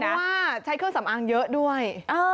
เพราะว่าใช้เครื่องสำอางเยอะด้วย